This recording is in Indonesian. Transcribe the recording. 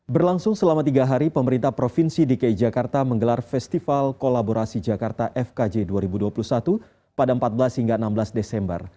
berlangsung selama tiga hari pemerintah provinsi dki jakarta menggelar festival kolaborasi jakarta fkj dua ribu dua puluh satu pada empat belas hingga enam belas desember